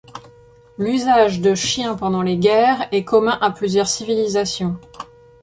L'usage de chiens pendant les guerres est commun à plusieurs civilisations.